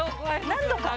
何度か。